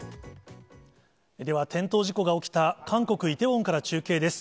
では、転倒事故が起きた韓国・イテウォンから中継です。